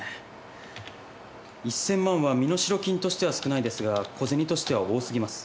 １，０００万は身代金としては少ないですが小銭としては多すぎます。